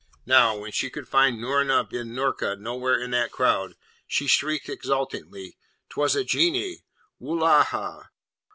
Now, when she could find Noorna bin Noorka nowhere in that crowd, she shrieked exultingly, ''Twas a Genie! Wullahy!